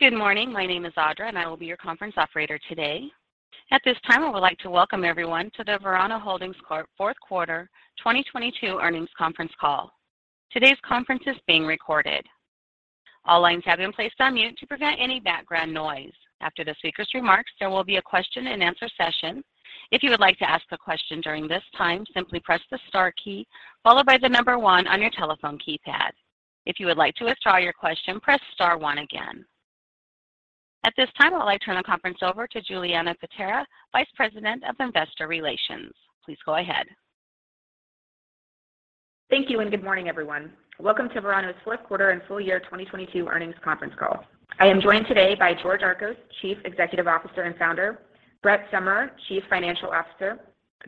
Good morning. My name is Audra, I will be your conference operator today. At this time, I would like to welcome everyone to the Verano Holdings Corp Fourth Quarter 2022 Earnings Conference Call. Today's conference is being recorded. All lines have been placed on mute to prevent any background noise. After the speakers' remarks, there will be a question-and-answer session. If you would like to ask a question during this time, simply press the star key followed by the 1 on your telephone keypad. If you would like to withdraw your question, press star one again. At this time, I'd like to turn the conference over to Julianna Paterra, Vice President of Investor Relations. Please go ahead. Thank you. Good morning, everyone. Welcome to Verano's fourth quarter and full year 2022 earnings conference call. I am joined today by George Archos, Chief Executive Officer and Founder, Brett Summerer, Chief Financial Officer,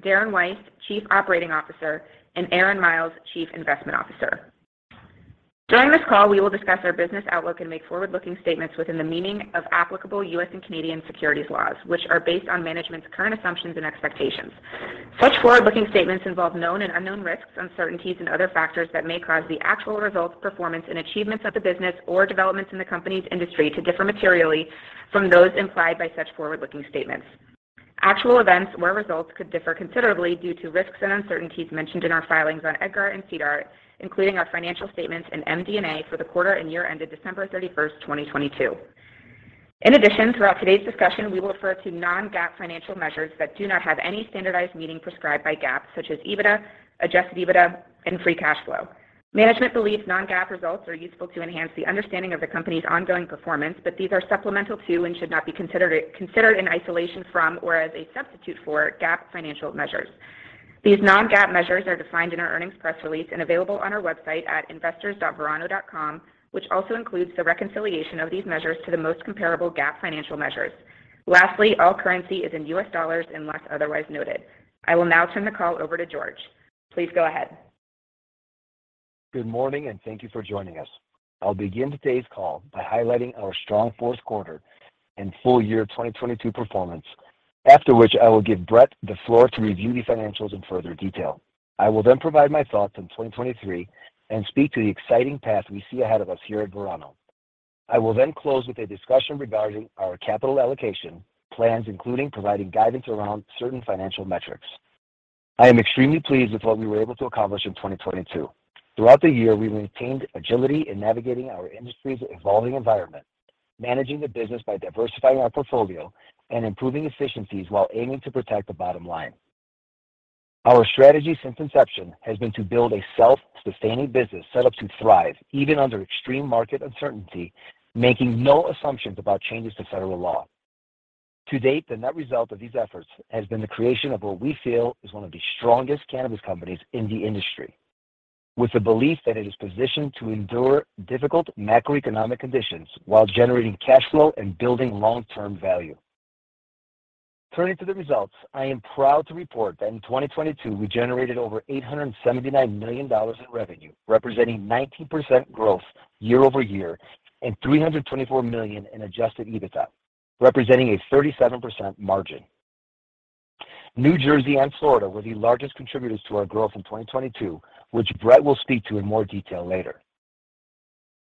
Darren Weiss, Chief Operating Officer, and Aaron Miles, Chief Investment Officer. During this call, we will discuss our business outlook and make forward-looking statements within the meaning of applicable U.S. and Canadian securities laws, which are based on management's current assumptions and expectations. Such forward-looking statements involve known and unknown risks, uncertainties, and other factors that may cause the actual results, performance, and achievements of the business or developments in the company's industry to differ materially from those implied by such forward-looking statements. Actual events where results could differ considerably due to risks and uncertainties mentioned in our filings on EDGAR and SEDAR, including our financial statements in MD&A for the quarter and year ended December 31st, 2022. Throughout today's discussion, we will refer to non-GAAP financial measures that do not have any standardized meaning prescribed by GAAP, such as EBITDA, adjusted EBITDA, and free cash flow. Management believes non-GAAP results are useful to enhance the understanding of the company's ongoing performance, but these are supplemental to and should not be considered in isolation from, or as a substitute for GAAP financial measures. These non-GAAP measures are defined in our earnings press release and available on our website at investors.verano.com, which also includes the reconciliation of these measures to the most comparable GAAP financial measures. Lastly, all currency is in U.S. dollars unless otherwise noted. I will now turn the call over to George. Please go ahead. Good morning. Thank you for joining us. I'll begin today's call by highlighting our strong fourth quarter and full year 2022 performance. After which I will give Brett the floor to review the financials in further detail. I will provide my thoughts on 2023 and speak to the exciting path we see ahead of us here at Verano. I will close with a discussion regarding our capital allocation plans, including providing guidance around certain financial metrics. I am extremely pleased with what we were able to accomplish in 2022. Throughout the year, we maintained agility in navigating our industry's evolving environment, managing the business by diversifying our portfolio and improving efficiencies while aiming to protect the bottom line. Our strategy since inception has been to build a self-sustaining business set up to thrive even under extreme market uncertainty, making no assumptions about changes to federal law. To date, the net result of these efforts has been the creation of what we feel is one of the strongest cannabis companies in the industry, with the belief that it is positioned to endure difficult macroeconomic conditions while generating cash flow and building long-term value. Turning to the results, I am proud to report that in 2022, we generated over $879 million in revenue, representing 19% growth year-over-year and $324 million in adjusted EBITDA, representing a 37% margin. New Jersey and Florida were the largest contributors to our growth in 2022, which Brett will speak to in more detail later.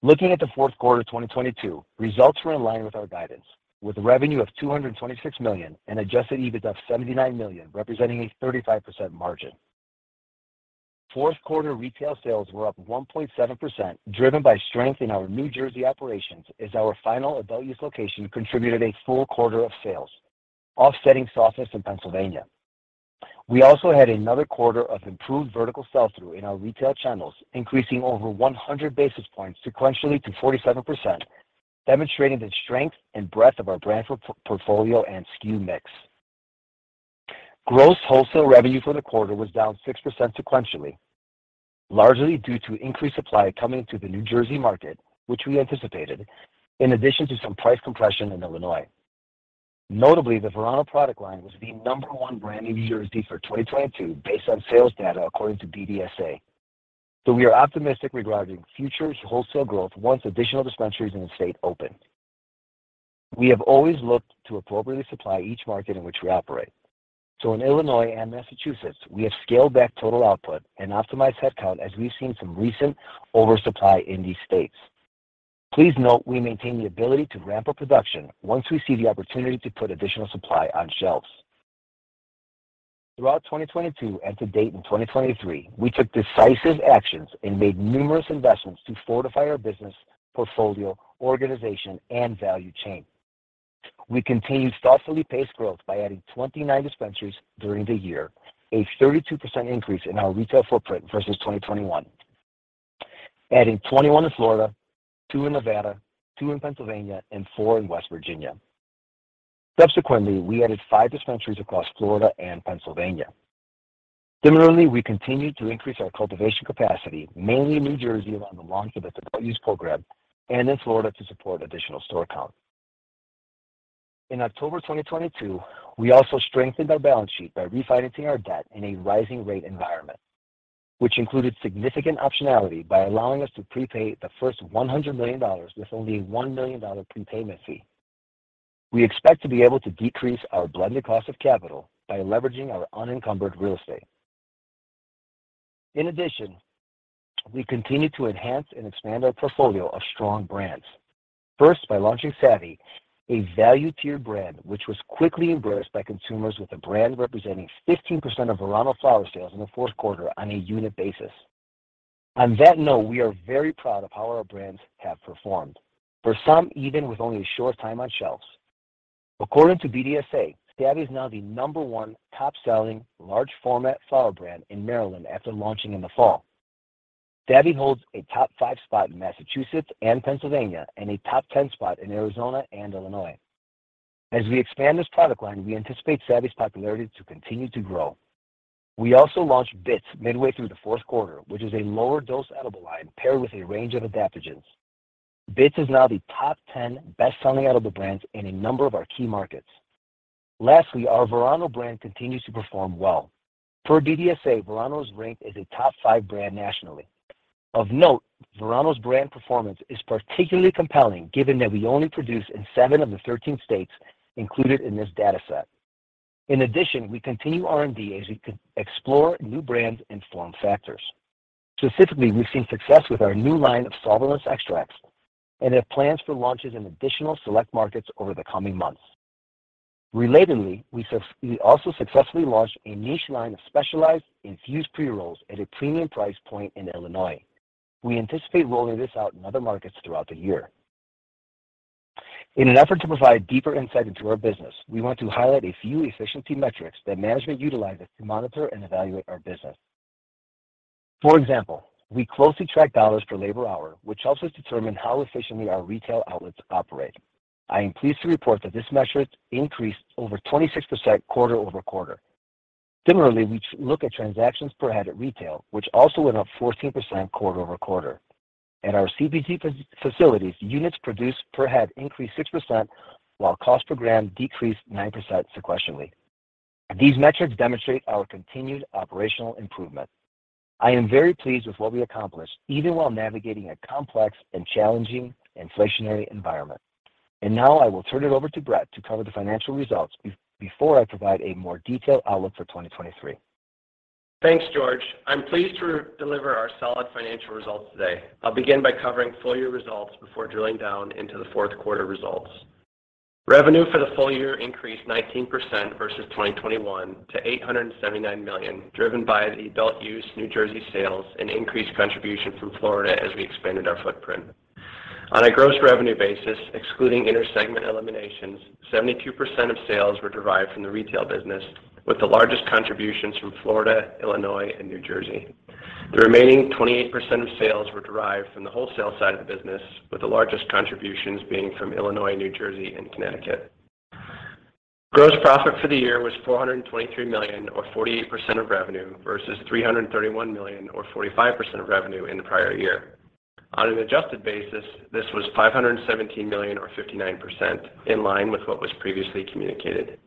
Looking at the fourth quarter 2022, results were in line with our guidance, with revenue of $226 million and adjusted EBITDA of $79 million, representing a 35% margin. Fourth quarter retail sales were up 1.7%, driven by strength in our New Jersey operations as our final adult use location contributed a full quarter of sales, offsetting softness in Pennsylvania. We also had another quarter of improved vertical sell-through in our retail channels, increasing over 100 basis points sequentially to 47%, demonstrating the strength and breadth of our brand portfolio and SKU mix. Gross wholesale revenue for the quarter was down 6% sequentially, largely due to increased supply coming into the New Jersey market, which we anticipated, in addition to some price compression in Illinois. The Verano product line was the number one brand in New Jersey for 2022 based on sales data according to BDSA. We are optimistic regarding future wholesale growth once additional dispensaries in the state open. We have always looked to appropriately supply each market in which we operate. In Illinois and Massachusetts, we have scaled back total output and optimized headcount as we've seen some recent oversupply in these states. Please note we maintain the ability to ramp up production once we see the opportunity to put additional supply on shelves. Throughout 2022 and to date in 2023, we took decisive actions and made numerous investments to fortify our business portfolio, organization, and value chain. We continued thoughtfully paced growth by adding 29 dispensaries during the year, a 32% increase in our retail footprint versus 2021. Adding 21 in Florida, two in Nevada, two in Pennsylvania, and four in West Virginia. Subsequently, we added five dispensaries across Florida and Pennsylvania. Similarly, we continued to increase our cultivation capacity, mainly in New Jersey around the launch of its adult use program and in Florida to support additional store count. In October 2022, we also strengthened our balance sheet by refinancing our debt in a rising rate environment, which included significant optionality by allowing us to prepay the first $100 million with only a $1 million prepayment fee. We expect to be able to decrease our blended cost of capital by leveraging our unencumbered real estate. In addition, we continue to enhance and expand our portfolio of strong brands. First, by launching Savvy, a value-tier brand, which was quickly embraced by consumers with a brand representing 15% of Verano flower sales in the fourth quarter on a unit basis. On that note, we are very proud of how our brands have performed, for some even with only a short time on shelves. According to BDSA, Savvy is now the number top-selling large format flower brand in Maryland after launching in the fall. Savvy holds a top five spot in Massachusetts and Pennsylvania, and a top 10 spot in Arizona and Illinois. As we expand this product line, we anticipate Savvy's popularity to continue to grow. We also launched Bits midway through the fourth quarter, which is a lower-dose edible line paired with a range of adaptogens. Bits is now the top 10 best-selling edible brands in a number of our key markets. Lastly, our Verano brand continues to perform well. Per BDSA, Verano is ranked as a top five brand nationally. Of note, Verano's brand performance is particularly compelling given that we only produce in seven of the 13 states included in this data set. In addition, we continue R&D as we explore new brands and form factors. Specifically, we've seen success with our new line of solventless extracts and have plans for launches in additional select markets over the coming months. Relatedly, we also successfully launched a niche line of specialized infused pre-rolls at a premium price point in Illinois. We anticipate rolling this out in other markets throughout the year. In an effort to provide deeper insight into our business, we want to highlight a few efficiency metrics that management utilizes to monitor and evaluate our business. For example, we closely track dollars per labor hour, which helps us determine how efficiently our retail outlets operate. I am pleased to report that this metric increased over 26% quarter-over-quarter. Similarly, we look at transactions per head at retail, which also went up 14% quarter-over-quarter. At our CBD facilities, units produced per head increased 6%, while cost per gram decreased 9% sequentially. These metrics demonstrate our continued operational improvement. I am very pleased with what we accomplished, even while navigating a complex and challenging inflationary environment. Now I will turn it over to Brett to cover the financial results before I provide a more detailed outlook for 2023. Thanks, George. I'm pleased to deliver our solid financial results today. I'll begin by covering full year results before drilling down into the fourth quarter results. Revenue for the full year increased 19% versus 2021 to $879 million, driven by the adult use New Jersey sales and increased contribution from Florida as we expanded our footprint. On a gross revenue basis, excluding inter-segment eliminations, 72% of sales were derived from the retail business, with the largest contributions from Florida, Illinois, and New Jersey. The remaining 28% of sales were derived from the wholesale side of the business, with the largest contributions being from Illinois, New Jersey, and Connecticut. Gross profit for the year was $423 million or 48% of revenue versus $331 million or 45% of revenue in the prior year. On an adjusted basis, this was $517 million or 59%, in line with what was previously communicated.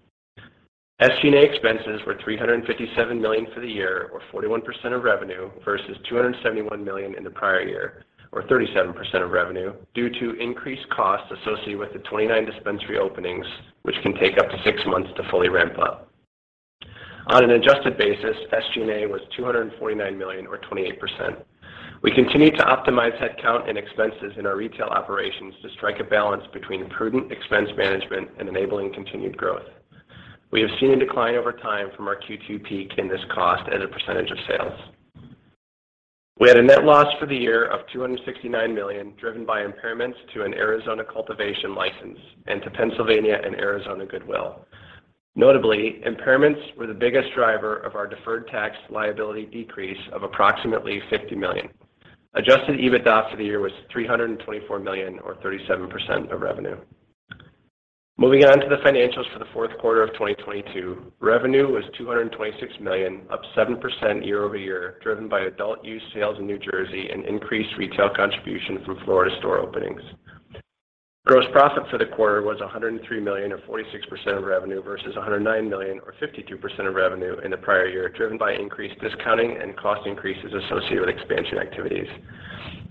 SG&A expenses were $357 million for the year or 41% of revenue versus $271 million in the prior year, or 37% of revenue, due to increased costs associated with the 29 dispensary openings, which can take up to six months to fully ramp up. On an adjusted basis, SG&A was $249 million or 28%. We continue to optimize headcount and expenses in our retail operations to strike a balance between prudent expense management and enabling continued growth. We have seen a decline over time from our Q2 peak in this cost as a percentage of sales. We had a net loss for the year of $269 million, driven by impairments to an Arizona cultivation license and to Pennsylvania and Arizona goodwill. Notably, impairments were the biggest driver of our deferred tax liability decrease of approximately $50 million. Adjusted EBITDA for the year was $324 million or 37% of revenue. Moving on to the financials for the fourth quarter of 2022, revenue was $226 million, up 7% year-over-year, driven by adult use sales in New Jersey and increased retail contribution from Florida store openings. Gross profit for the quarter was $103 million or 46% of revenue versus $109 million or 52% of revenue in the prior year, driven by increased discounting and cost increases associated with expansion activities.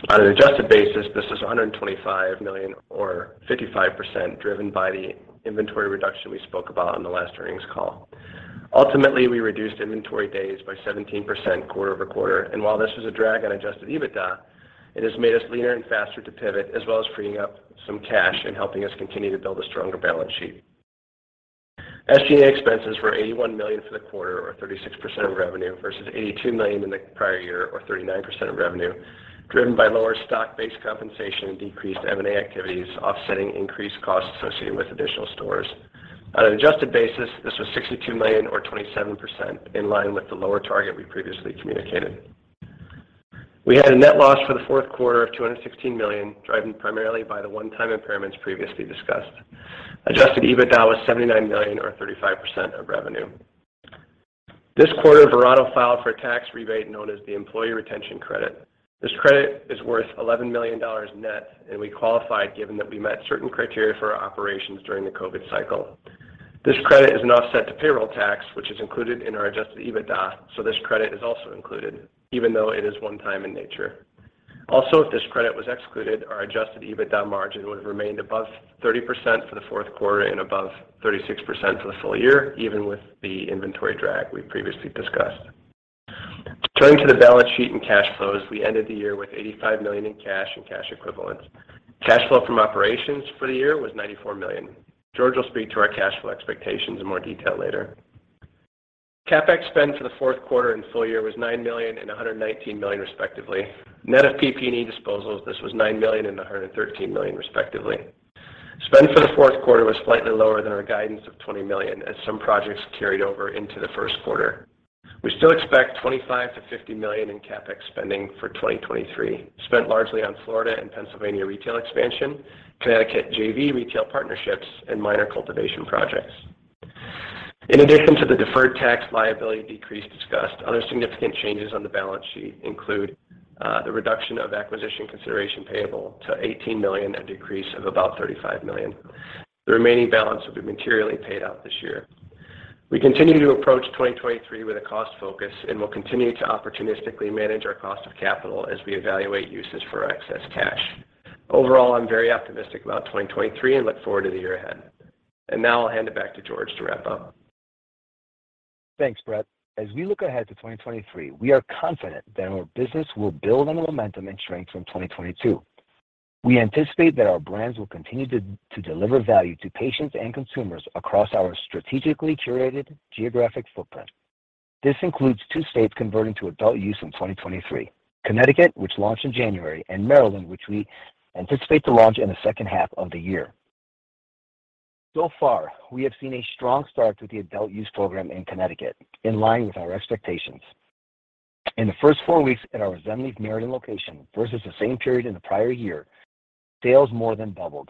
On an adjusted basis, this is $125 million or 55%, driven by the inventory reduction we spoke about on the last earnings call. Ultimately, we reduced inventory days by 17% quarter-over-quarter. While this was a drag on adjusted EBITDA, it has made us leaner and faster to pivot, as well as freeing up some cash and helping us continue to build a stronger balance sheet. SG&A expenses were $81 million for the quarter or 36% of revenue versus $82 million in the prior year or 39% of revenue, driven by lower stock-based compensation and decreased M&A activities offsetting increased costs associated with additional stores. On an adjusted basis, this was $62 million or 27%, in line with the lower target we previously communicated. We had a net loss for the fourth quarter of $216 million, driven primarily by the one-time impairments previously discussed. Adjusted EBITDA was $79 million or 35% of revenue. This quarter, Verano filed for a tax rebate known as the Employee Retention Credit. This credit is worth $11 million net, and we qualified given that we met certain criteria for our operations during the COVID cycle. This credit is an offset to payroll tax, which is included in our adjusted EBITDA, so this credit is also included, even though it is one-time in nature. If this credit was excluded, our adjusted EBITDA margin would have remained above 30% for the fourth quarter and above 36% for the full year, even with the inventory drag we previously discussed. Turning to the balance sheet and cash flows, we ended the year with $85 million in cash and cash equivalents. Cash flow from operations for the year was $94 million. George will speak to our cash flow expectations in more detail later. CapEx spend for the fourth quarter and full year was $9 million and $119 million respectively. Net of PP&E disposals, this was $9 million and $113 million respectively. Spend for the fourth quarter was slightly lower than our guidance of $20 million as some projects carried over into the first quarter. We still expect $25 million-$50 million in CapEx spending for 2023, spent largely on Florida and Pennsylvania retail expansion, Connecticut JV retail partnerships, and minor cultivation projects. In addition to the deferred tax liability decrease discussed, other significant changes on the balance sheet include, the reduction of acquisition consideration payable to $18 million, a decrease of about $35 million. The remaining balance will be materially paid out this year. We continue to approach 2023 with a cost focus and will continue to opportunistically manage our cost of capital as we evaluate uses for our excess cash. Overall, I'm very optimistic about 2023 and look forward to the year ahead. Now I'll hand it back to George to wrap up. Thanks, Brett. We look ahead to 2023, we are confident that our business will build on the momentum and strength from 2022. We anticipate that our brands will continue to deliver value to patients and consumers across our strategically curated geographic footprint. This includes two states converting to adult use in 2023, Connecticut, which launched in January, and Maryland, which we anticipate to launch in the second half of the year. So far, we have seen a strong start to the adult use program in Connecticut, in line with our expectations. In the first four weeks at our Zen Leaf Meriden location versus the same period in the prior year, sales more than doubled,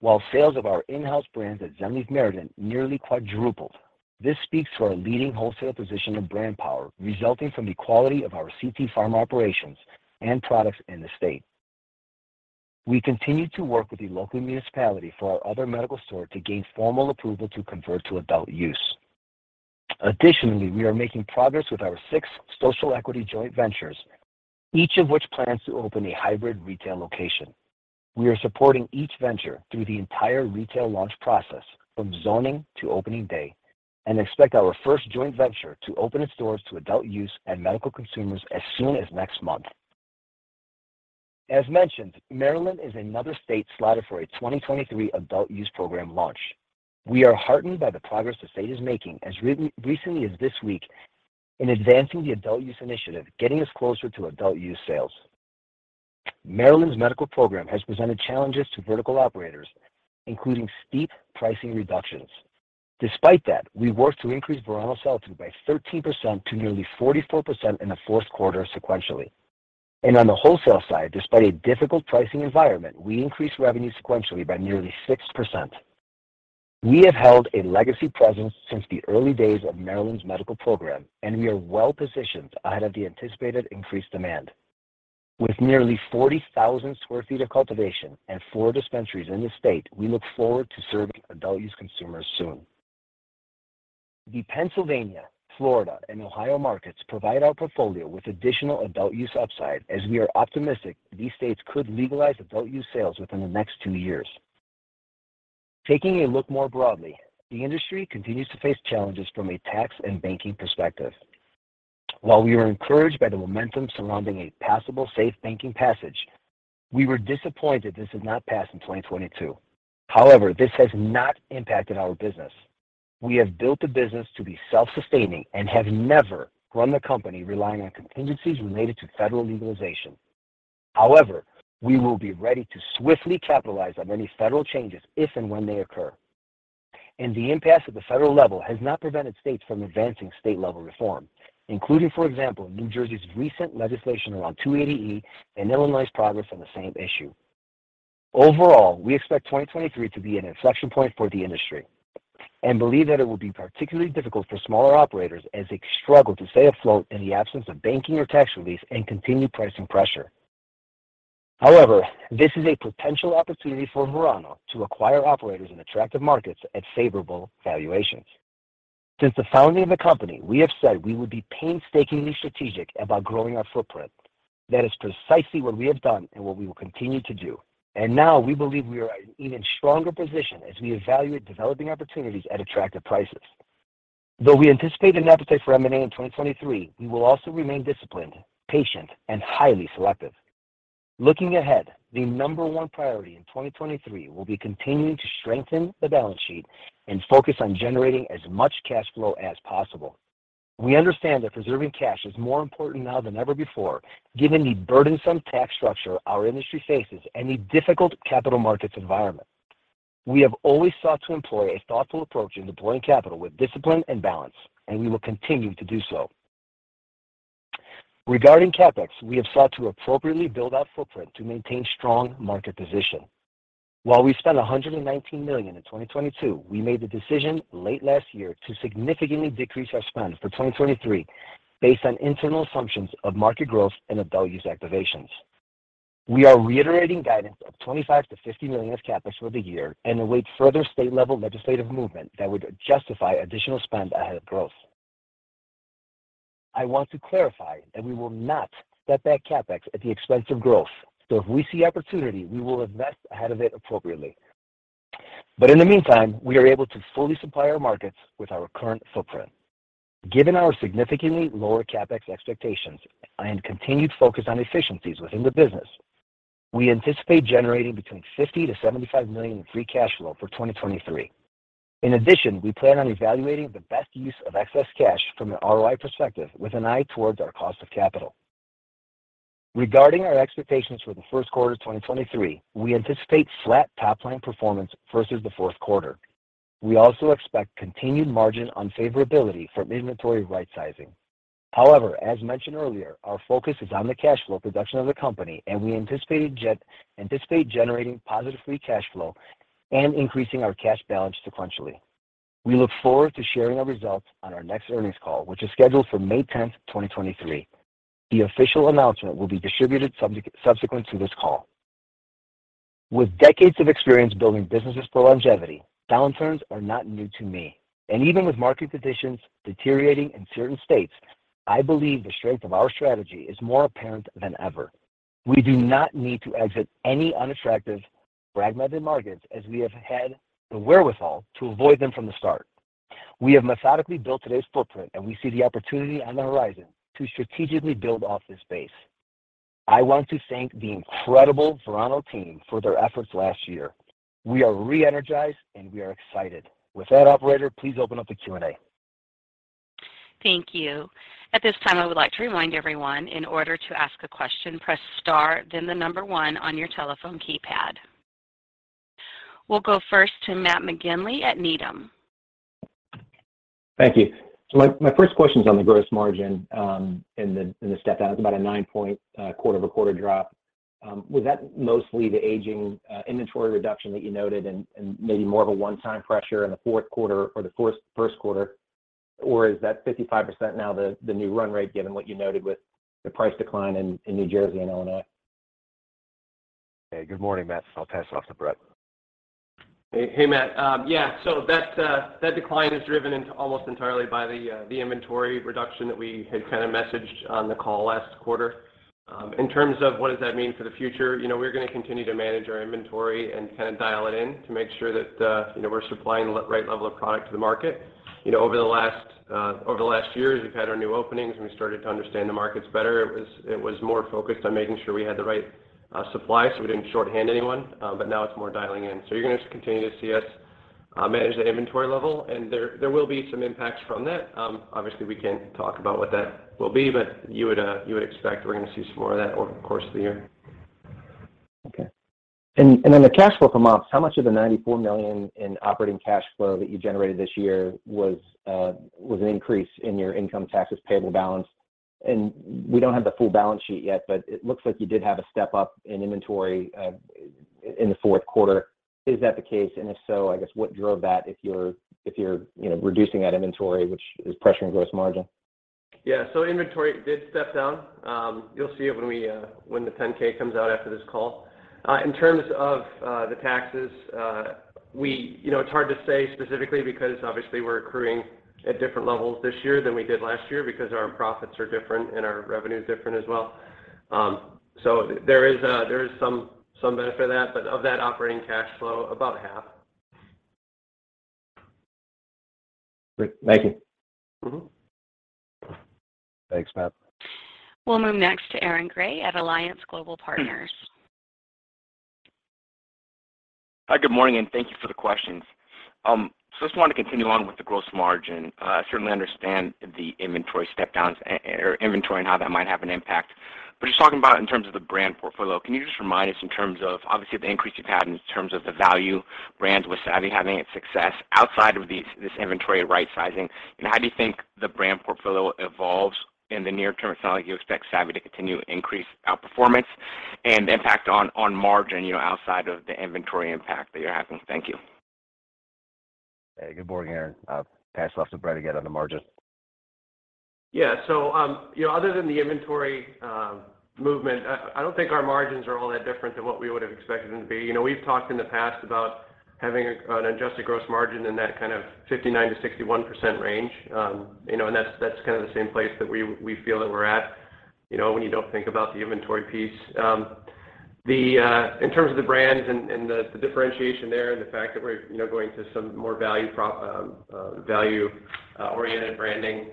while sales of our in-house brands at Zen Leaf Meriden nearly quadrupled. This speaks to our leading wholesale position and brand power, resulting from the quality of our CTPharma operations and products in the state. We continue to work with the local municipality for our other medical store to gain formal approval to convert to adult use. We are making progress with our 6 social equity joint ventures, each of which plans to open a hybrid retail location. We are supporting each venture through the entire retail launch process from zoning to opening day, and expect our first joint venture to open its doors to adult use and medical consumers as soon as next month. As mentioned, Maryland is another state slotted for a 2023 adult use program launch. We are heartened by the progress the state is making as recently as this week in advancing the adult use initiative, getting us closer to adult use sales. Maryland's medical program has presented challenges to vertical operators, including steep pricing reductions. Despite that, we worked to increase Verano sell-through by 13% to nearly 44% in the fourth quarter sequentially. On the wholesale side, despite a difficult pricing environment, we increased revenue sequentially by nearly 6%. We have held a legacy presence since the early days of Maryland's medical program, and we are well-positioned ahead of the anticipated increased demand. With nearly 40,000 sq ft of cultivation and four dispensaries in the state, we look forward to serving adult use consumers soon. The Pennsylvania, Florida, and Ohio markets provide our portfolio with additional adult use upside as we are optimistic these states could legalize adult use sales within the next two years. Taking a look more broadly, the industry continues to face challenges from a tax and banking perspective. While we are encouraged by the momentum surrounding a possible SAFE Banking Act passage, we were disappointed this has not passed in 2022. This has not impacted our business. We have built the business to be self-sustaining and have never run the company relying on contingencies related to federal legalization. We will be ready to swiftly capitalize on any federal changes if and when they occur. The impasse at the federal level has not prevented states from advancing state-level reform, including, for example, New Jersey's recent legislation around 280E and Illinois's progress on the same issue. Overall, we expect 2023 to be an inflection point for the industry and believe that it will be particularly difficult for smaller operators as they struggle to stay afloat in the absence of banking or tax release and continued pricing pressure. This is a potential opportunity for Verano to acquire operators in attractive markets at favorable valuations. Since the founding of the company, we have said we would be painstakingly strategic about growing our footprint. That is precisely what we have done and what we will continue to do. Now we believe we are at an even stronger position as we evaluate developing opportunities at attractive prices. Though we anticipate an appetite for M&A in 2023, we will also remain disciplined, patient, and highly selective. Looking ahead, the number one priority in 2023 will be continuing to strengthen the balance sheet and focus on generating as much cash flow as possible. We understand that preserving cash is more important now than ever before, given the burdensome tax structure our industry faces and the difficult capital markets environment. We have always sought to employ a thoughtful approach in deploying capital with discipline and balance. We will continue to do so. Regarding CapEx, we have sought to appropriately build our footprint to maintain strong market position. While we spent $119 million in 2022, we made the decision late last year to significantly decrease our spend for 2023 based on internal assumptions of market growth and adult use activations. We are reiterating guidance of $25 million-$50 million as CapEx for the year and await further state-level legislative movement that would justify additional spend ahead of growth. I want to clarify that we will not step back CapEx at the expense of growth. If we see opportunity, we will invest ahead of it appropriately. In the meantime, we are able to fully supply our markets with our current footprint. Given our significantly lower CapEx expectations and continued focus on efficiencies within the business, we anticipate generating between $50 million-$75 million in free cash flow for 2023. We plan on evaluating the best use of excess cash from an ROI perspective with an eye towards our cost of capital. Regarding our expectations for the first quarter 2023, we anticipate flat top line performance versus the fourth quarter. We also expect continued margin unfavorability from inventory rightsizing. As mentioned earlier, our focus is on the cash flow production of the company, and we anticipate generating positive free cash flow and increasing our cash balance sequentially. We look forward to sharing our results on our next earnings call, which is scheduled for May tenth, 2023. The official announcement will be distributed subsequent to this call. With decades of experience building businesses for longevity, downturns are not new to me. Even with market conditions deteriorating in certain states, I believe the strength of our strategy is more apparent than ever. We do not need to exit any unattractive fragmented markets as we have had the wherewithal to avoid them from the start. We have methodically built today's footprint, and we see the opportunity on the horizon to strategically build off this base. I want to thank the incredible Verano team for their efforts last year. We are re-energized, and we are excited. With that, operator, please open up the Q&A. Thank you. At this time, I would like to remind everyone in order to ask a question, press star then the number 1 on your telephone keypad. We'll go first to Matt McGinley at Needham. Thank you. My first question is on the gross margin, and the step down. It's about a 9-point quarter-over-quarter drop. Was that mostly the aging inventory reduction that you noted and maybe more of a one-time pressure in the fourth quarter or the first quarter? Or is that 55% now the new run rate, given what you noted with the price decline in New Jersey and Illinois? Hey, good morning, Matt. I'll pass it off to Brett. Hey, hey, Matt. Yeah. That decline is driven into almost entirely by the inventory reduction that we had kinda messaged on the call last quarter. In terms of what does that mean for the future, you know, we're gonna continue to manage our inventory and kinda dial it in to make sure that, you know, we're supplying the right level of product to the market. You know, over the last year, as we've had our new openings and we started to understand the markets better, it was more focused on making sure we had the right supply, so we didn't shorthand anyone, but now it's more dialing in. You're gonna continue to see us manage the inventory level, and there will be some impacts from that. Obviously, we can't talk about what that will be, but you would expect we're gonna see some more of that over the course of the year. Okay. Then the cash flow from ops, how much of the $94 million in operating cash flow that you generated this year was an increase in your income taxes payable balance? We don't have the full balance sheet yet, but it looks like you did have a step-up in inventory, in the fourth quarter. Is that the case? If so, I guess what drove that if you're, you know, reducing that inventory, which is pressuring gross margin? Inventory did step down. You'll see it when we, when the 10-K comes out after this call. In terms of the taxes, you know, it's hard to say specifically because obviously we're accruing at different levels this year than we did last year because our profits are different and our revenue is different as well. There is some benefit of that, but of that operating cash flow, about half. Great. Thank you. Mm-hmm. Thanks, Matt. We'll move next to Aaron Grey at Alliance Global Partners. Hi, good morning, and thank you for the questions. I just wanted to continue on with the gross margin. Certainly understand the inventory step downs or inventory and how that might have an impact. Just talking about in terms of the brand portfolio, can you just remind us in terms of obviously the increase you've had in terms of the value brand with Savvy having its success outside of this inventory rightsizing? How do you think the brand portfolio evolves in the near term? It's not like you expect Savvy to continue to increase outperformance and impact on margin, you know, outside of the inventory impact that you're having. Thank you. Hey, good morning, Aaron. I'll pass it off to Brett again on the margin. Yeah. You know, other than the inventory movement, I don't think our margins are all that different than what we would have expected them to be. You know, we've talked in the past about having an adjusted gross margin in that kind of 59%-61% range. You know, and that's kind of the same place that we feel that we're at, you know, when you don't think about the inventory piece. In terms of the brands and the differentiation there and the fact that we're, you know, going to some more value oriented branding,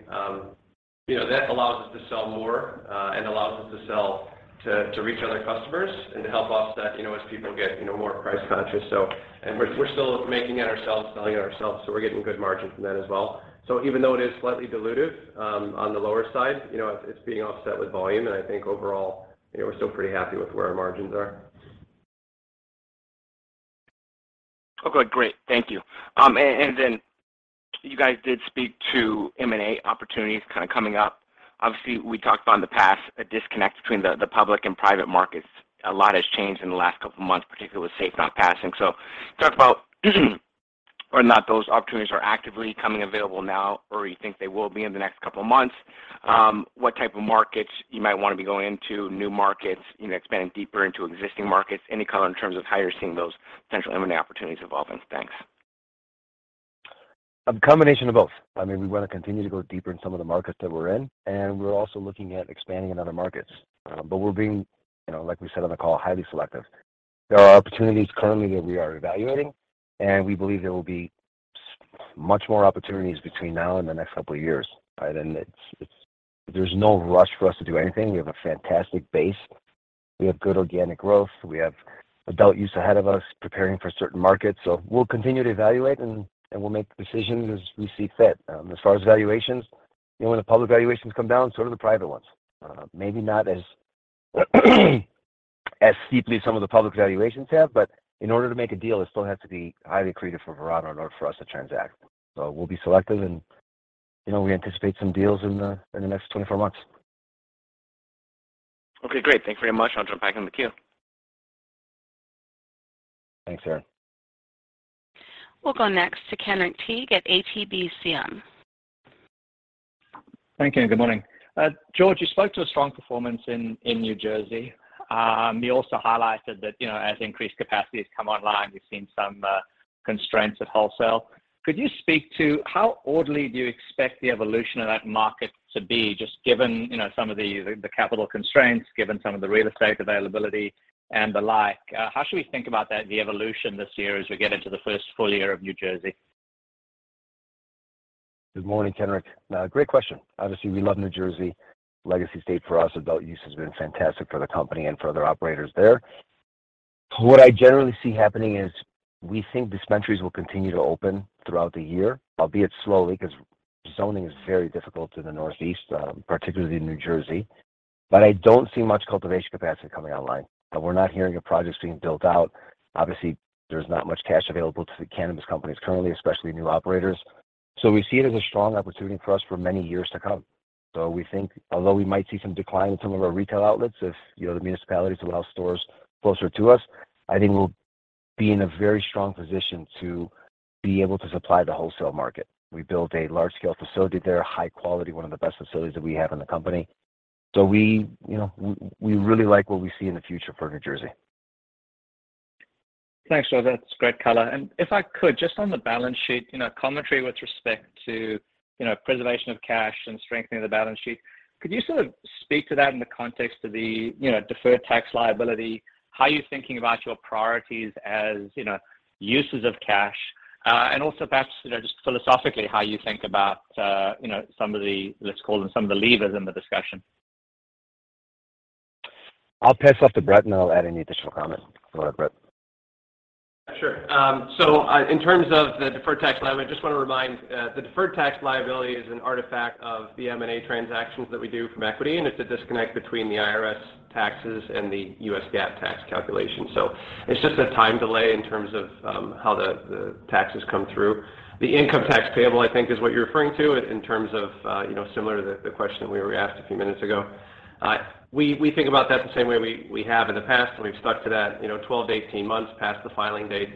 you know, that allows us to sell more and allows us to sell to reach other customers and to help offset, you know, as people get, you know, more price-conscious. So. We're still making it ourselves, selling it ourselves, so we're getting good margins from that as well. Even though it is slightly dilutive, on the lower side, you know, it's being offset with volume, and I think overall, you know, we're still pretty happy with where our margins are. Okay. Great. Thank you. And then you guys did speak to M&A opportunities kinda coming up. Obviously, we talked about in the past a disconnect between the public and private markets. A lot has changed in the last couple of months, particularly with SAFE not passing. Talk about whether or not those opportunities are actively coming available now or you think they will be in the next couple of months. What type of markets you might wanna be going into, new markets, you know, expanding deeper into existing markets. Any color in terms of how you're seeing those potential M&A opportunities evolving? Thanks. A combination of both. I mean, we want to continue to go deeper in some of the markets that we're in, we're also looking at expanding in other markets. We're being, you know, like we said on the call, highly selective. There are opportunities currently that we are evaluating, we believe there will be much more opportunities between now and the next couple of years. All right. It's, there's no rush for us to do anything. We have a fantastic base. We have good organic growth. We have adult use ahead of us preparing for certain markets. We'll continue to evaluate and we'll make decisions as we see fit. As far as valuations, you know, when the public valuations come down, so do the private ones. Maybe not as steeply as some of the public valuations have, but in order to make a deal, it still has to be highly accretive for Verano in order for us to transact. We'll be selective, and, you know, we anticipate some deals in the, in the next 24 months. Okay, great. Thank you very much. I'll jump back in the queue. Thanks, Aaron. We'll go next to Kenrick Tyghe at ATBCM. Thank you, and good morning. George, you spoke to a strong performance in New Jersey. You also highlighted that, you know, as increased capacity has come online, we've seen some constraints at wholesale. Could you speak to how orderly do you expect the evolution of that market to be, just given, you know, some of the capital constraints, given some of the real estate availability and the like? How should we think about that, the evolution this year as we get into the first full year of New Jersey? Good morning, Kenric. No, great question. Obviously, we love New Jersey. Legacy state for us. Adult use has been fantastic for the company and for other operators there. What I generally see happening is we think dispensaries will continue to open throughout the year, albeit slowly, because zoning is very difficult in the Northeast, particularly in New Jersey. I don't see much cultivation capacity coming online. We're not hearing of projects being built out. Obviously, there's not much cash available to the cannabis companies currently, especially new operators. We see it as a strong opportunity for us for many years to come. We think although we might see some decline in some of our retail outlets, if, you know, the municipalities allow stores closer to us, I think we'll be in a very strong position to be able to supply the wholesale market. We built a large-scale facility there, high quality, one of the best facilities that we have in the company. We, you know, we really like what we see in the future for New Jersey. Thanks, George. That's great color. If I could, just on the balance sheet, you know, commentary with respect to, you know, preservation of cash and strengthening of the balance sheet. Could you sort of speak to that in the context of the, you know, deferred tax liability, how you're thinking about your priorities as, you know, uses of cash, and also perhaps, you know, just philosophically, how you think about, you know, some of the, let's call them some of the levers in the discussion? I'll pass off to Brett, and I'll add any additional comment. Go ahead, Brett. Sure. In terms of the deferred tax liability, I just want to remind, the deferred tax liability is an artifact of the M&A transactions that we do from equity, and it's a disconnect between the IRS taxes and the U.S. GAAP tax calculation. It's just a time delay in terms of, how the taxes come through. The income tax payable, I think, is what you're referring to in terms of, you know, similar to the question that we were asked a few minutes ago. We think about that the same way we have in the past, and we've stuck to that. You know, 12-18 months past the filing date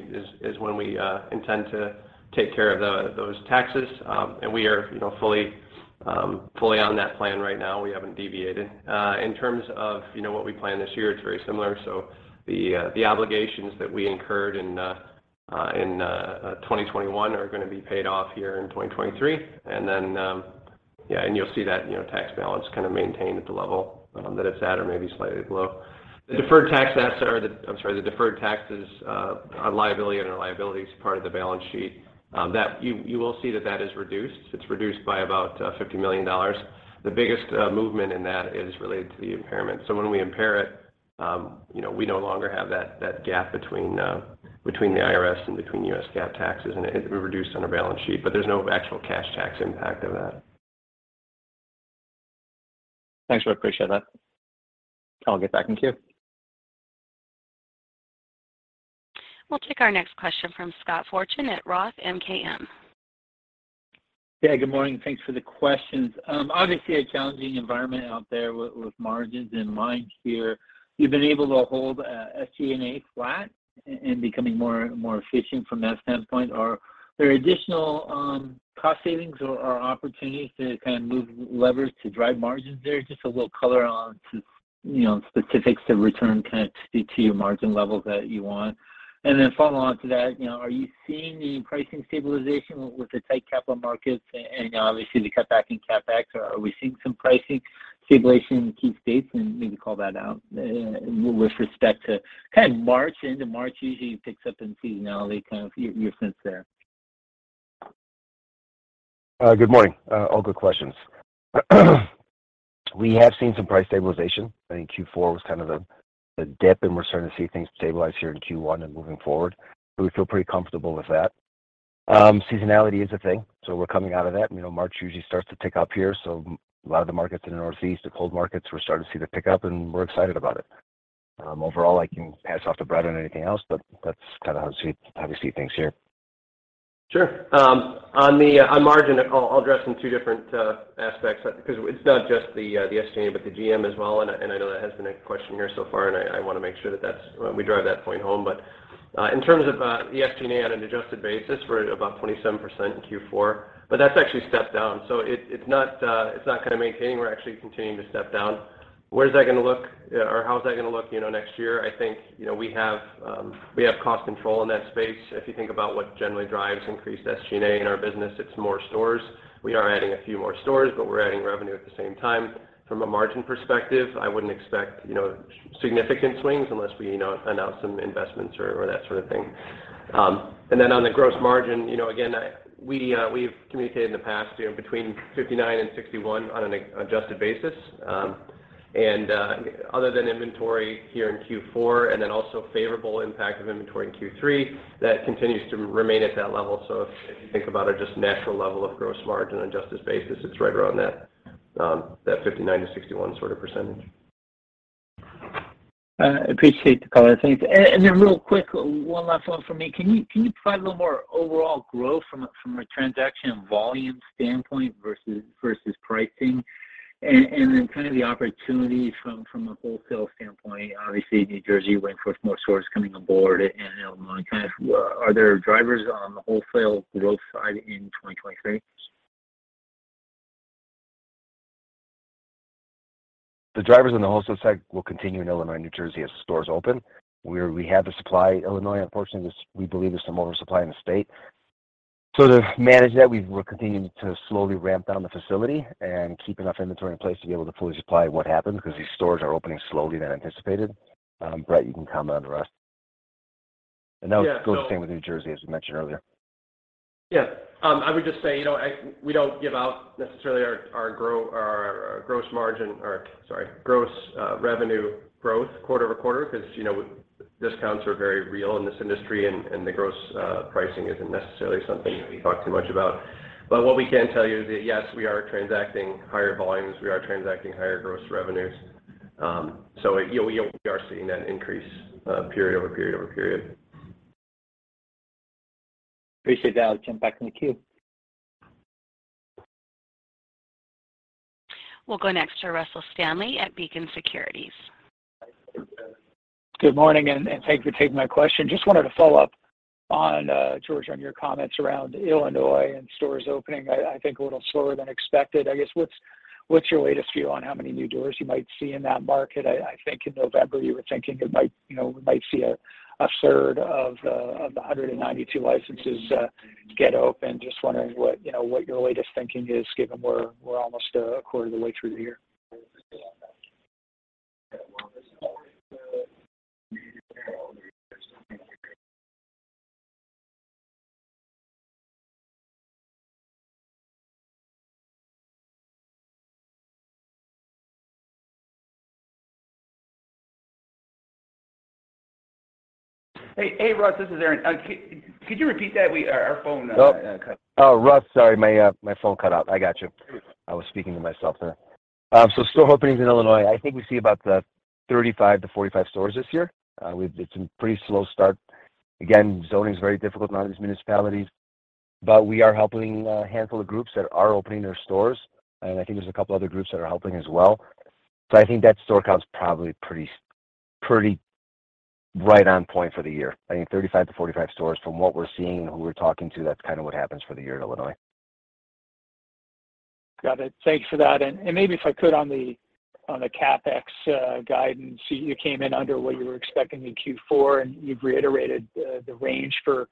is when we intend to take care of those taxes. We are, you know, fully on that plan right now. We haven't deviated. In terms of, you know, what we plan this year, it's very similar. The obligations that we incurred in 2021 are gonna be paid off here in 2023. You'll see that, you know, tax balance kind of maintained at the level that it's at or maybe slightly below. The deferred taxes liability under liabilities, part of the balance sheet, that you will see that that is reduced. It's reduced by about $50 million. The biggest movement in that is related to the impairment. When we impair it, you know, we no longer have that gap between the IRS and between U.S. GAAP taxes, and we reduced on our balance sheet. There's no actual cash tax impact of that. Thanks, George. I appreciate that. I'll get back in queue. We'll take our next question from Scott Fortune at ROTH MKM. Yeah, good morning. Thanks for the questions. Obviously a challenging environment out there with margins in mind here. You've been able to hold SG&A flat and becoming more efficient from that standpoint. Are there additional cost savings or opportunities to kind of move levers to drive margins there? Just a little color on to, you know, specifics to return kind of to your margin levels that you want. Follow on to that, you know, are you seeing any pricing stabilization with the tight capital markets and obviously the cutback in CapEx? Are we seeing some pricing stabilization in key states? Maybe call that out with respect to kind of March, end of March usually picks up in seasonality, kind of your sense there. Good morning. All good questions. We have seen some price stabilization. I think Q4 was kind of the dip, and we're starting to see things stabilize here in Q1 and moving forward. We feel pretty comfortable with that. Seasonality is a thing, so we're coming out of that. You know, March usually starts to tick up here, so a lot of the markets in the Northeast, the cold markets, we're starting to see the pickup, and we're excited about it. Overall, I can pass off to Brett on anything else, but that's kind of how we see things here. Sure. On the on margin, I'll address in two different aspects because it's not just the SG&A, but the GM as well, and I know that hasn't been a question here so far, and I wanna make sure that that's we drive that point home. In terms of the SG&A on an adjusted basis, we're at about 27% in Q4, but that's actually stepped down. It's not kind of maintaining. We're actually continuing to step down. Where is that gonna look, or how is that gonna look, you know, next year? I think, you know, we have, we have cost control in that space. If you think about what generally drives increased SG&A in our business, it's more stores. We are adding a few more stores, but we're adding revenue at the same time. From a margin perspective, I wouldn't expect, you know, significant swings unless we, you know, announce some investments or that sort of thing. On the gross margin, you know, again, we've communicated in the past, you know, between 59% and 61% on an adjusted basis, and other than inventory here in Q4 and then also favorable impact of inventory in Q3, that continues to remain at that level. If you think about it, just natural level of gross margin on adjusted basis, it's right around that 59%-61% sort of. Appreciate the color. Thanks. Then real quick, one last one from me. Can you provide a little more overall growth from a transaction volume standpoint versus pricing? Then kind of the opportunities from a wholesale standpoint, obviously, New Jersey went for more stores coming aboard in Illinois. Are there drivers on the wholesale growth side in 2023? The drivers on the wholesale side will continue in Illinois and New Jersey as the stores open, where we have the supply. Illinois, unfortunately, we believe there's some oversupply in the state. To manage that, we're continuing to slowly ramp down the facility and keep enough inventory in place to be able to fully supply what happens because these stores are opening slowly than anticipated. Brett, you can comment on the rest. Yeah. That goes the same with New Jersey, as you mentioned earlier. Yeah. I would just say, you know, we don't give out necessarily our gross margin or, sorry, gross revenue growth quarter-over-quarter because, you know, discounts are very real in this industry and the gross pricing isn't necessarily something we talk too much about. What we can tell you is that, yes, we are transacting higher volumes, we are transacting higher gross revenues. We are seeing that increase period-over-period-over-period. Appreciate that. I'll jump back in the queue. We'll go next to Russell Stanley at Beacon Securities. Good morning, and thanks for taking my question. Just wanted to follow up on George Archos, on your comments around Illinois and stores opening, I think a little slower than expected. I guess what's your latest view on how many new doors you might see in that market? I think in November you were thinking it might, you know, we might see a third of the 192 licenses get open. Just wondering what, you know, what your latest thinking is given we're almost a quarter of the way through the year. Hey, hey, Russ, this is Aaron. Could you repeat that? Our phone cut out. Russ, sorry, my phone cut out. I got you. I was speaking to myself there. Store openings in Illinois, I think we see about 35-45 stores this year. It's been pretty slow start. Again, zoning is very difficult in a lot of these municipalities, but we are helping a handful of groups that are opening their stores, and I think there's a couple other groups that are helping as well. I think that store count is probably pretty right on point for the year. I think 35-45 stores from what we're seeing and who we're talking to, that's kind of what happens for the year in Illinois. Got it. Thanks for that. Maybe if I could on the CapEx guidance, you came in under what you were expecting in Q4, and you've reiterated the range for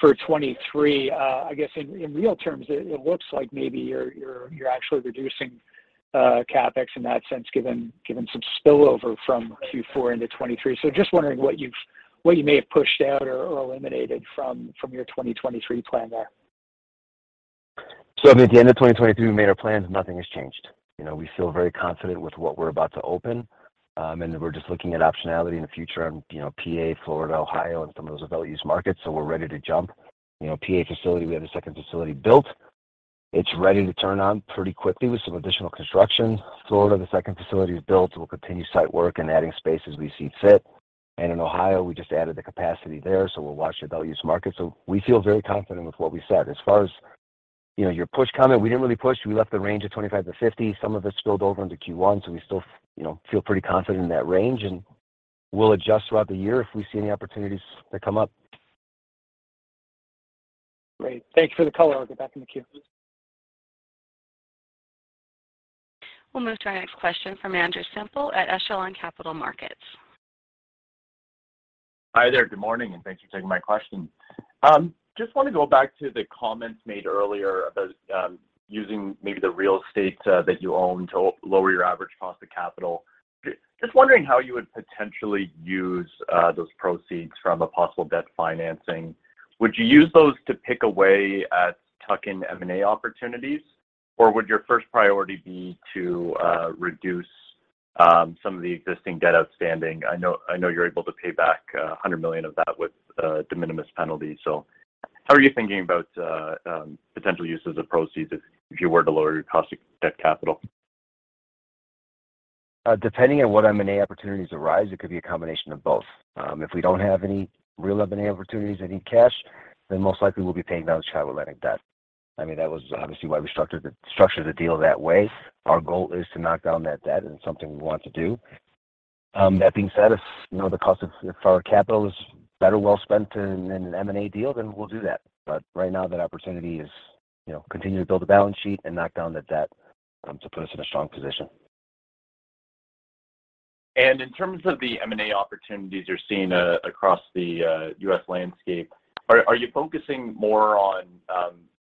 2023. I guess in real terms, it looks like maybe you're actually reducing CapEx in that sense, given some spillover from Q4 into 2023. Just wondering what you may have pushed out or eliminated from your 2023 plan there. I mean, at the end of 2023, we made our plans, nothing has changed. You know, we feel very confident with what we're about to open, and we're just looking at optionality in the future in, you know, PA, Florida, Ohio, and some of those value use markets. We're ready to jump. You know, PA facility, we have the second facility built. It's ready to turn on pretty quickly with some additional construction. Florida, the second facility is built. We'll continue site work and adding space as we see fit. In Ohio, we just added the capacity there, so we'll watch the value use market. We feel very confident with what we said. As far as, you know, your push comment, we didn't really push. We left the range of 25-50. Some of it spilled over into Q1. We still, you know, feel pretty confident in that range, and we'll adjust throughout the year if we see any opportunities that come up. Great. Thanks for the color. I'll get back in the queue. We'll move to our next question from Andrew Semple at Echelon Capital Markets. Hi there. Good morning, and thanks for taking my question. Just want to go back to the comments made earlier about using maybe the real estate that you own to lower your average cost of capital. Just wondering how you would potentially use those proceeds from a possible debt financing. Would you use those to pick away at tuck-in M&A opportunities, or would your first priority be to reduce some of the existing debt outstanding? I know you're able to pay back $100 million of that with de minimis penalty. How are you thinking about potential uses of proceeds if you were to lower your cost of debt capital? Depending on what M&A opportunities arise, it could be a combination of both. If we don't have any real M&A opportunities that need cash, then most likely we'll be paying down Chicago Atlantic debt. I mean, that was obviously why we structured the deal that way. Our goal is to knock down that debt, it's something we want to do. That being said, if, you know, if our capital is better well spent in an M&A deal, then we'll do that. Right now that opportunity is, you know, continue to build a balance sheet and knock down the debt to put us in a strong position. In terms of the M&A opportunities you're seeing across the U.S. landscape, are you focusing more on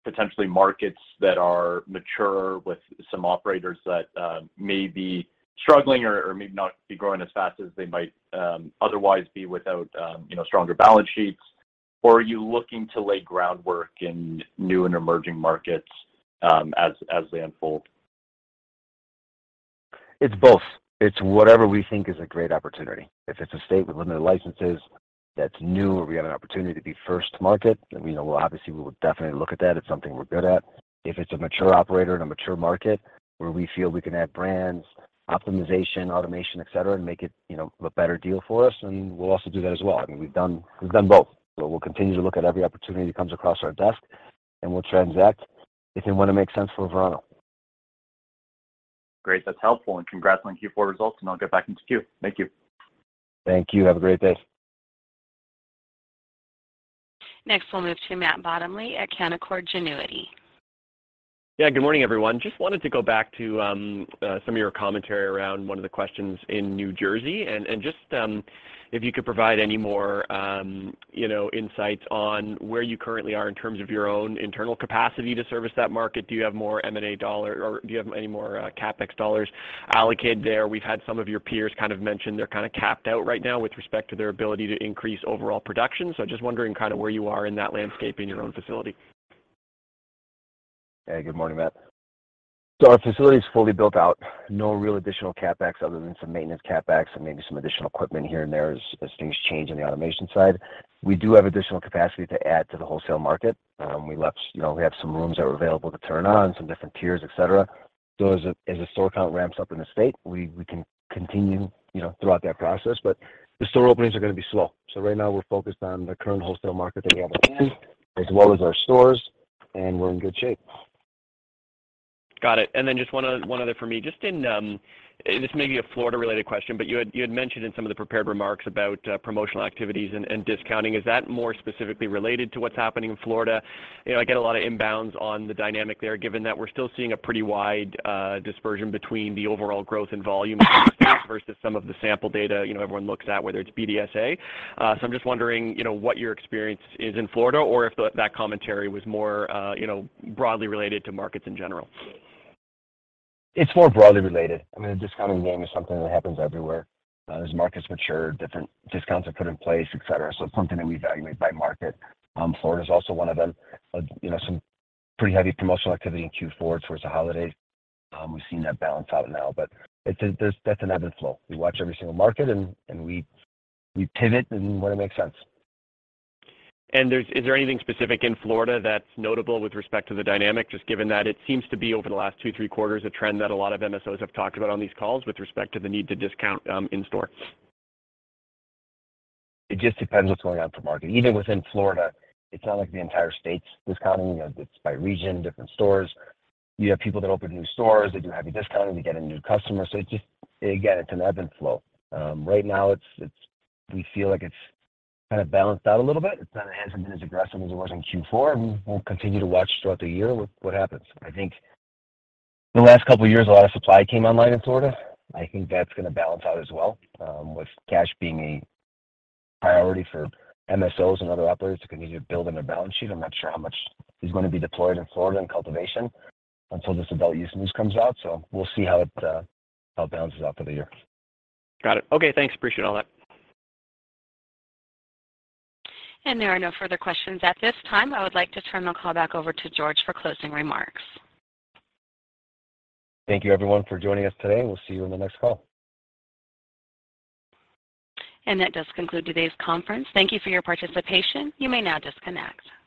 potentially markets that are mature with some operators that may be struggling or maybe not be growing as fast as they might otherwise be without, you know, stronger balance sheets? Or are you looking to lay groundwork in new and emerging markets as they unfold? It's both. It's whatever we think is a great opportunity. If it's a state with limited licenses that's new, or we have an opportunity to be first to market, then, you know, we would definitely look at that. It's something we're good at. If it's a mature operator in a mature market where we feel we can add brands, optimization, automation, et cetera, and make it, you know, a better deal for us, then we'll also do that as well. I mean, we've done both. We'll continue to look at every opportunity that comes across our desk, and we'll transact if and when it makes sense for Verano. Great. That's helpful. Congrats on Q4 results. I'll get back into queue. Thank you. Thank you. Have a great day. Next, we'll move to Matt Bottomley at Canaccord Genuity. Yeah, good morning, everyone. Just wanted to go back to some of your commentary around one of the questions in New Jersey, and just, you know, insights on where you currently are in terms of your own internal capacity to service that market. Do you have more M&A dollar or do you have any more CapEx dollars allocated there? We've had some of your peers kind of mention they're kind of capped out right now with respect to their ability to increase overall production. Just wondering kind of where you are in that landscape in your own facility. Good morning, Matt. Our facility is fully built out. No real additional CapEx other than some maintenance CapEx and maybe some additional equipment here and there as things change on the automation side. We do have additional capacity to add to the wholesale market. We left... You know, we have some rooms that were available to turn on, some different tiers, et cetera. As a store count ramps up in the state, we can continue, you know, throughout that process. The store openings are gonna be slow. Right now we're focused on the current wholesale market that we have at hand as well as our stores, and we're in good shape. Got it. Then just one other for me. This may be a Florida related question, but you had mentioned in some of the prepared remarks about promotional activities and discounting. Is that more specifically related to what's happening in Florida? You know, I get a lot of inbounds on the dynamic there, given that we're still seeing a pretty wide dispersion between the overall growth in volume versus some of the sample data, you know, everyone looks at, whether it's BDSA. I'm just wondering, you know, what your experience is in Florida or if that commentary was more, you know, broadly related to markets in general. It's more broadly related. I mean, the discounting game is something that happens everywhere. As markets mature, different discounts are put in place, et cetera. It's something that we evaluate by market. Florida's also one of them. You know, some pretty heavy promotional activity in Q4 towards the holidays. We've seen that balance out now, but that's an ebb and flow. We watch every single market and we pivot when it makes sense. Is there anything specific in Florida that's notable with respect to the dynamic, just given that it seems to be over the last 2, 3 quarters, a trend that a lot of MSOs have talked about on these calls with respect to the need to discount, in-store? It just depends what's going on with the market. Even within Florida, it's not like the entire state's discounting. You know, it's by region, different stores. You have people that open new stores, they do heavy discounting to get a new customer. Again, it's an ebb and flow. Right now it's, we feel like it's kind of balanced out a little bit. It hasn't been as aggressive as it was in Q4, and we'll continue to watch throughout the year with what happens. I think the last couple of years, a lot of supply came online in Florida. I think that's gonna balance out as well. With cash being a priority for MSOs and other operators to continue building their balance sheet, I'm not sure how much is gonna be deployed in Florida in cultivation until this adult use news comes out, so we'll see how it, how it balances out for the year. Got it. Okay, thanks. Appreciate all that. There are no further questions at this time. I would like to turn the call back over to George for closing remarks. Thank you everyone for joining us today. We'll see you in the next call. That does conclude today's conference. Thank you for your participation. You may now disconnect.